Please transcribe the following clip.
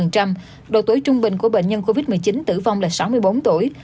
tỷ lệ trung bình của bệnh nhân covid một mươi chín tử vong là sáu mươi bốn tuổi